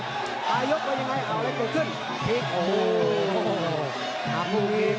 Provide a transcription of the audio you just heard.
ตายก็ยังไงเอาเลยเกิดขึ้น